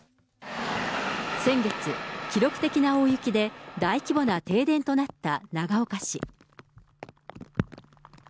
先月、記録的な大雪で、大規模な停電となった長岡市。